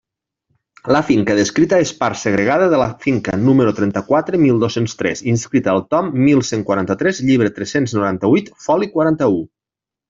La finca descrita és part segregada de la finca número trenta-quatre mil dos-cents tres, inscrita al tom mil cent quaranta-tres, llibre tres-cents noranta-huit, foli quaranta-u.